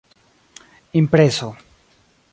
impreso